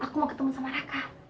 aku mau ketemu sama mereka